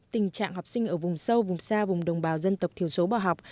tình trạng học sinh ở vùng sâu vùng xa vùng đồng bào dân tộc thiểu số bỏ học